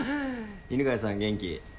犬甲斐さん元気？